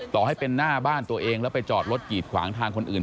ต่อให้เป็นหน้าบ้านตัวเองแล้วไปจอดรถกีดขวางทางคนอื่น